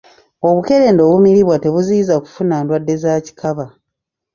Obukerenda obumiribwa tebuziyiza kufuna ndwadde za kikaba.